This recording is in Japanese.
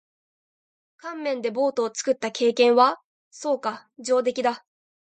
乾麺でボートを作った経験は？そうか。上出来だ。